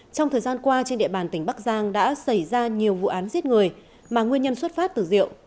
trong thời gian qua trên địa bàn tỉnh bắc giang đã xảy ra nhiều vụ án giết người mà nguyên nhân xuất phát từ rượu